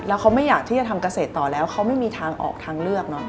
แล้วเขาไม่อยากที่จะทำเกษตรต่อแล้วเขาไม่มีทางออกทางเลือกเนอะ